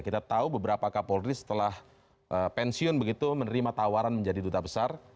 kita tahu beberapa kapolri setelah pensiun begitu menerima tawaran menjadi duta besar